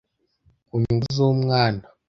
ku nyungu z umwana